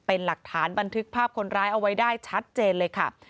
เป็นหลักฐานบันทึกภาพคนร้ายเอาไว้ได้ชัดเจนเลยค่ะ